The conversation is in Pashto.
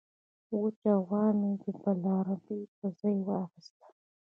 وچه غوا مې د بلاربې په ځای واخیسته.